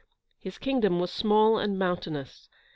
His kingdom was small and mountainous.